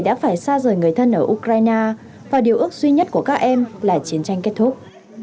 đã phải xa rời người thân ở ukraine và điều ước duy nhất của các em là chiến tranh kết thúc